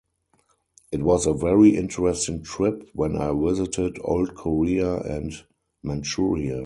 It was a very interesting trip when I visited old Korea and Manchuria.